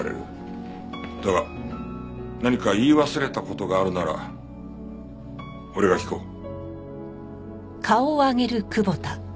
だが何か言い忘れた事があるなら俺が聞こう。